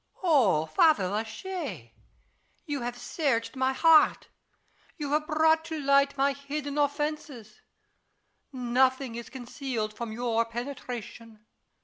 Louis. O Father La Chaise ! you have searched my heart ; you have brought to light my hidden offences. Nothing is concealed from your penetration.